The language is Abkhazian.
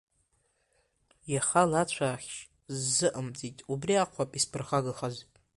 Иаха лацәаахшь сзыҟамҵеит, убри акәхап исԥырхагахаз.